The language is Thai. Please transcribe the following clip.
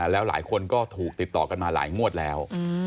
แล้วหลายคนก็ถูกติดต่อกันมาหลายงวดแล้ว